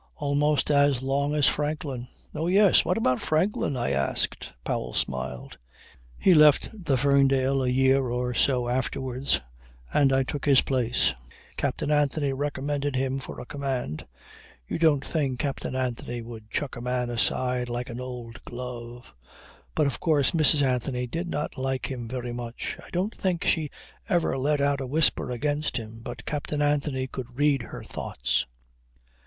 Almost as long as Franklin." "Oh yes! What about Franklin?" I asked. Powell smiled. "He left the Ferndale a year or so afterwards, and I took his place. Captain Anthony recommended him for a command. You don't think Captain Anthony would chuck a man aside like an old glove. But of course Mrs. Anthony did not like him very much. I don't think she ever let out a whisper against him but Captain Anthony could read her thoughts.